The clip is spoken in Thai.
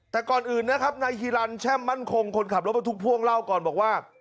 แต่ก่อนอื่นนะครับนายฮิลันแช่มมั่นคงคนขับรถบรรทุกพ่วงเล่าก่อนบอกว่า